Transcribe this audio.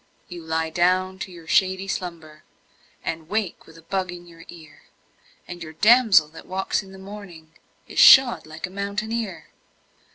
You lie down to your shady slumber And wake with a bug in your ear, And your damsel that walks in the morning Is shod like a mountaineer.